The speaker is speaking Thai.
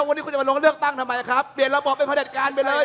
วันนี้คุณจะมาลงเลือกตั้งทำไมครับเปลี่ยนระบบเป็นผลิตการไปเลย